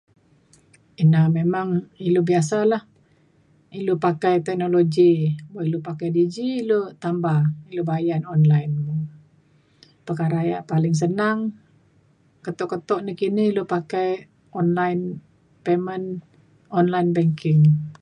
ina memang ilu biasa lah ilu pakai teknologi. buk ilu pakai Digi ilu tambah ilu bayan online. perkara yak paling senang keto keto nakini ilu pakai online payment online banking.